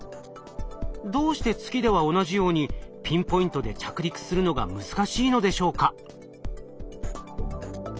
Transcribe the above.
どうして月では同じようにピンポイントで着陸するのが難しいのでしょうか？